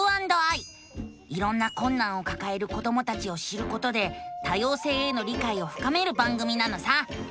いろんなこんなんをかかえる子どもたちを知ることで多様性への理解をふかめる番組なのさ！